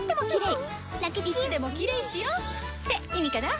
いつでもキレイしよ！って意味かな！